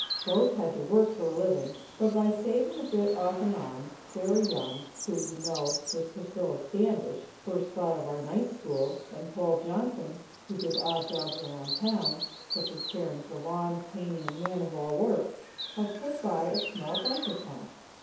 Both had to work for a living; but by saving a bit, off and on, Sarah Young, who, you know, with Priscilla Standish first thought of our Night School, and Paul Johnson, who did odd jobs around town, such as caring for lawns, painting and "man of all work," had put by a small bank account.